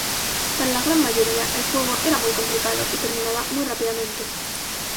Para la gran mayoría, el juego era muy complicado y terminaba muy rápidamente.